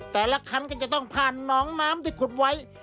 แต่ละคันก็จะต้องผ่านน้องน้ำที่ขุดไว้